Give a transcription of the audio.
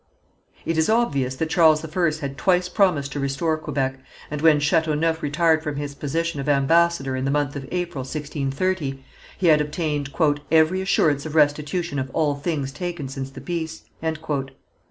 It is obvious that Charles I had twice promised to restore Quebec, and when Chateauneuf retired from his position of ambassador in the month of April, 1630, he had obtained "every assurance of restitution of all things taken since the peace."